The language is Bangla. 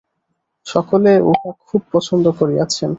সকলে উহা খুব পছন্দ করিয়াছেন।